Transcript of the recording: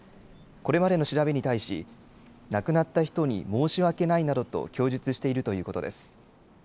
これまでの調べに対し亡くなった人に申し訳ないなどと供述しているということです。